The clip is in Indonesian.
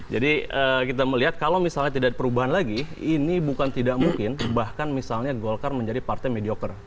jadi kita melihat kalau misalnya tidak perubahan lagi ini bukan tidak mungkin bahkan misalnya golkar menjadi partai mediocre